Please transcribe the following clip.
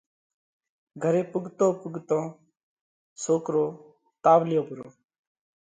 گھري پُوڳتون پُوڳتون سوڪرو تاوَليو پرو،